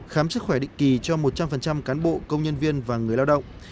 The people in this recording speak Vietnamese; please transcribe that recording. khám sức khỏe định kỳ cho một trăm linh cán bộ công nhân viên và người lao động